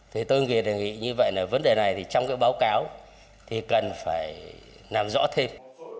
thì tôi nghĩ như vậy là vấn đề này trong cái báo cáo thì cần phải làm rõ thêm